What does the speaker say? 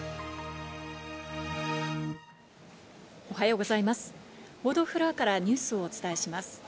おはようございます。